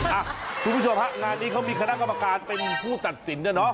คุณผู้ชมฮะงานนี้เขามีคณะกรรมการเป็นผู้ตัดสินนะเนาะ